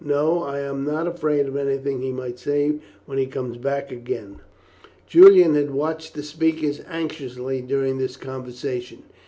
No, I am not afraid of anything he might say when he comes back again." Julian had watched the speakers anxiously during this conversation.